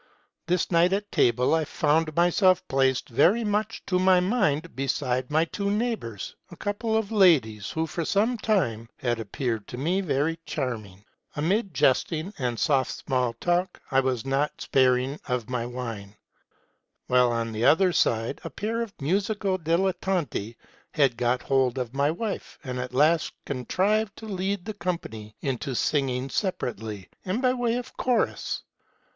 This night at table, I found myself placed very much to my mind beside my two neighbors, a couple of ladies, who, for some time, had appeared to me very charming. Amid jesting and soft small talk, I was not sparing of my wine ; while, on the other side, a pair of musical dilettanti had got hold of my wife, and at last contrived to lead the company into singing separately, and by way of chorus.